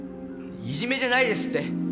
いじめじゃないですって。